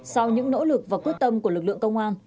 sau những nỗ lực và quyết tâm của lực lượng công an